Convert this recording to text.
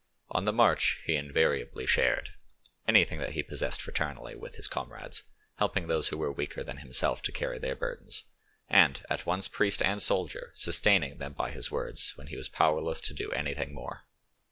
On the march he invariably shared: anything that he possessed fraternally with his comrades, helping those who were weaker than himself to carry their burdens, and, at once priest and soldier, sustaining them by his words when he was powerless to do anything more.